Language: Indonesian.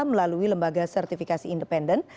melalui lembaga sertifikasi independen